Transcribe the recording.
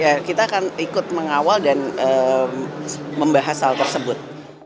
ya kita akan ikut mengawal dan membahas hal tersebut